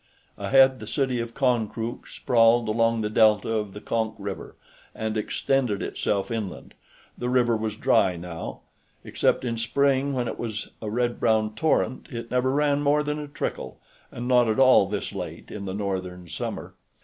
Ahead, the city of Konkrook sprawled along the delta of the Konk river and extended itself inland. The river was dry, now. Except in spring, when it was a red brown torrent, it never ran more than a trickle, and not at all this late in the northern summer.